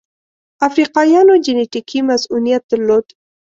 افریقایانو جنټیکي مصوونیت درلود.